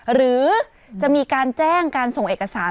หรือจะมีการแจ้งการส่งเอกสาร